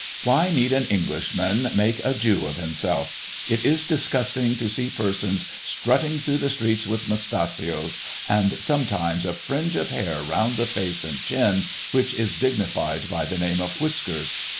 Why need an Englishman make a Jew of himself ? It is disgusting to see persons strutting through the streets with mustachios, and, sometimes, a fringe of hair roimd the face and chin, which is dignified by the name of whiskers.